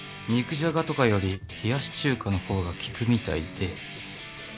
肉じゃがとかより冷やし中華の方が効くみたいで